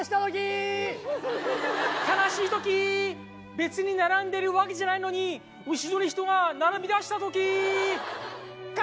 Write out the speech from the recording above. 別に並んでるわけじゃないのに後ろに人が並びだした時。